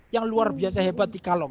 yang luar biasa hebat di kalong